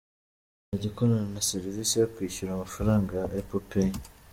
Izajya ikorana na serivisi yo kwishyura amafaranga ya Apple Pay.